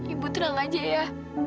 ibu tenang aja ya